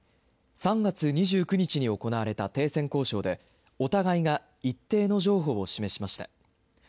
３月２９日に行われた停戦交渉で、お互いが一定の譲歩を示しました。